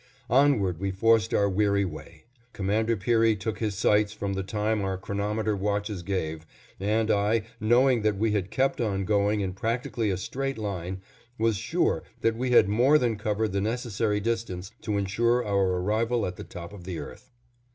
Onward we forced our weary way. Commander Peary took his sights from the time our chronometer watches gave, and I, knowing that we had kept on going in practically a straight line, was sure that we had more than covered the necessary distance to insure our arrival at the top of the earth.